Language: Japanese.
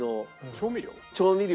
調味料？